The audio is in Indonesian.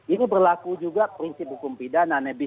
itu berlaku juga prinsip hukum pidana